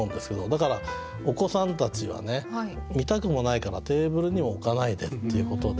だからお子さんたちは見たくもないからテーブルにも置かないでっていうことで。